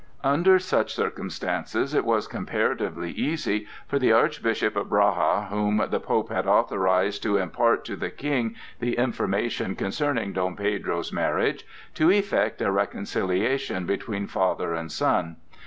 Under such circumstances it was comparatively easy for the Archbishop of Braga, whom the Pope had authorized to impart to the King the information concerning Dom Pedro's marriage, to effect a reconciliation between father and son.